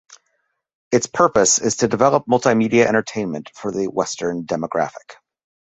Its purpose is to develop multimedia entertainment for the western demographic.